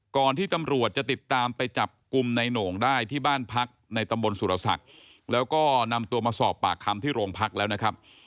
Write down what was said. ก่อนที่ตำรวจจะติดตามไปจับกลุ่มในโหน่งได้ที่บ้านพักในตำบลสุรศักดิ์แล้วก็นำตัวมาสอบปากคำที่โรงพักแล้วนะครับ